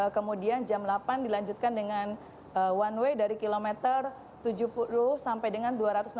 kemudian jam delapan dilanjutkan dengan one way dari kilometer tujuh puluh sampai dengan dua ratus enam puluh